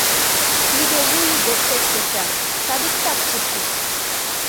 Тиде лу ий годсек кеча, садиктак шупшыт.